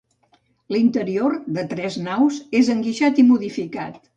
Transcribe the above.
L'interior, de tres naus, és enguixat i modificat.